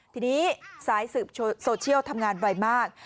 ทีนี้สายสืบโซเชียลทำงานไวมาก